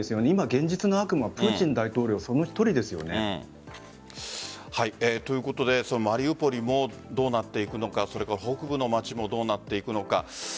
現実の悪魔はプーチン大統領一人ですよね。ということでマリウポリもどうなっていくのか北部の街もどうなっていくのか